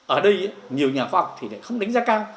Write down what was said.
ở đây nhiều nhà khoa học không đánh giá cao